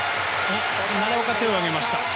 奈良岡が手を上げました。